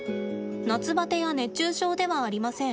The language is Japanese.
夏バテや熱中症ではありません。